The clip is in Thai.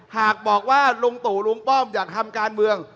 หากบอกว่าลุงตู่ลุงป้อมอยากทำการเมือง